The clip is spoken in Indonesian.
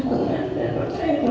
komentar kepada mereka